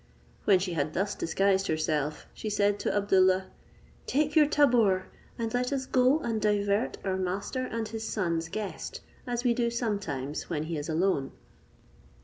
When she had thus disguised herself, she said to Abdoollah, "Take your tabor, and let us go and divert our master and his son's guest, as we do sometimes when he is alone."